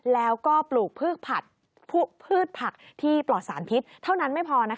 แล้วก็ปลูกพืชผักที่ปลอดสารพิษเท่านั้นไม่พอ